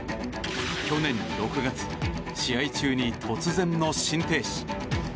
去年６月、試合中に突然の心停止。